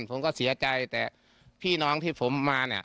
ผมก็เสียใจแต่พี่น้องที่ผมมาเนี่ย